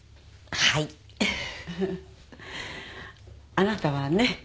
あなたはね